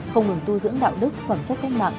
không ngừng tu dưỡng đạo đức phẩm chất cách mạng